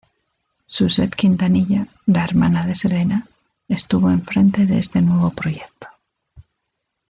Suzette Quintanilla, la hermana de Selena, estuvo en frente de este nuevo proyecto.